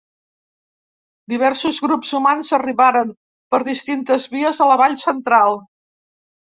Diversos grups humans arribaren per distintes vies a la vall central.